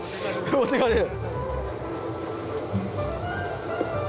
持ってかれる。